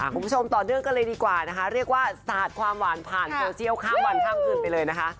คุณผู้ชมต่อเนื่องกันเลยดีกว่านะคะเรียกว่าสาดความหวานผ่านโซเชียลข้ามวันข้ามคืนไปเลยนะคะ